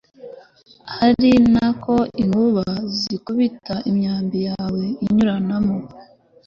ari na ko inkuba zikubita, n'imyambi yawe inyuranamo